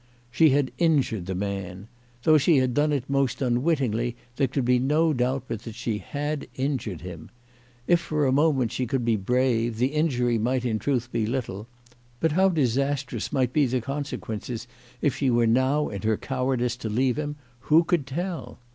She had injured the man. Though she had done it most unwittingly, there could be no doubt but that she had injured him. If for a moment she could be brave, the injury might in truth be little ; but how disastrous might be the consequences if she were now in her cowardice to leave him, who could tell